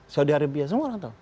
saudi arabia semua orang tahu